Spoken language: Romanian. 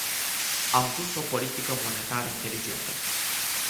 Am dus o politică monetară inteligentă.